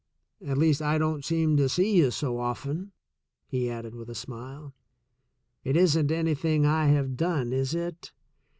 ''At least, I don't seem to see you so often," he added with a smile. "It isn't anything I have done, is it?"